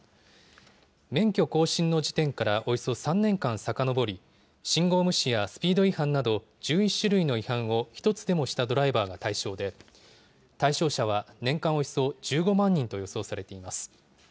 免許更新の時点からおよそ３年間さかのぼり、信号無視やスピード違反など、１１種類の違反を１つでもしたドライバーが対象で、対象者は年間およそ１５万人と予想されています。